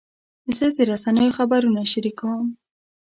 زه د رسنیو خبرونه شریکوم.